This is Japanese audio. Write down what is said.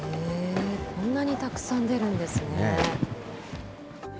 こんなにたくさん出るんですね。